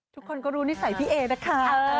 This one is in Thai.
ทุกคนก็รู้นิสัยพี่เอนะคะ